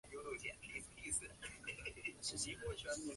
鼓在非洲黑人舞蹈音乐中起着引领舞曲节奏的重要作用。